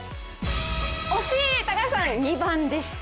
惜しい、高橋さん、２番でした。